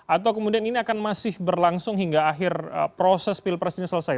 atau kemudian ini akan masih berlangsung hingga akhir proses pilpres ini selesai